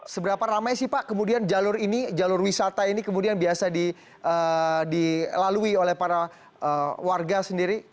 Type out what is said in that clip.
seberapa ramai sih pak kemudian jalur ini jalur wisata ini kemudian biasa dilalui oleh para warga sendiri